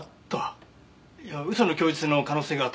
いや嘘の供述の可能性が高いです。